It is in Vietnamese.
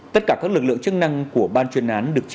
thời đó đã gây chấn động